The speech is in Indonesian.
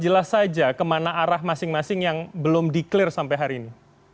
jelas saja kemana arah masing masing yang belum di clear sampai hari ini